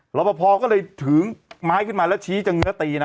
ฮะรับประพอก็เลยถึงไม้ขึ้นมาแล้วชี้จังเงื้อตีน่ะ